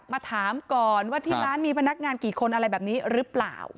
มาถามก่อนว่าที่ร้านมีพนักงานกี่คนอะไรแบบนี้หรือเปล่า